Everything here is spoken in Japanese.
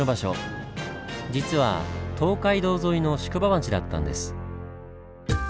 実は東海道沿いの宿場町だったんです。